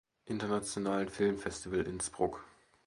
Internationalen Filmfestival Innsbruck.